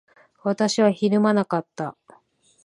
私はひるまなかった。